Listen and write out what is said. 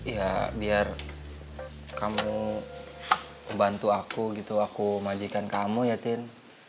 ya biar kamu bantu aku gitu aku majikan kamu ya tin